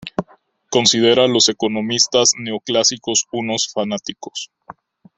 Considera a los economistas neoclásicos unos fanáticos.